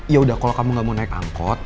yaudah kalau kamu gak mau naik angkot